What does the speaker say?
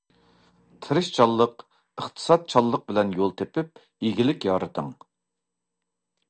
تىرىشچانلىق، ئىقتىسادچانلىق بىلەن يول تېپىپ ئىگىلىك يارىتىڭ.